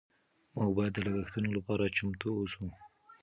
موږ باید د لګښتونو لپاره چمتو اوسو.